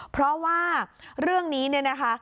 เพราะว่าเรื่องนี้นะคะ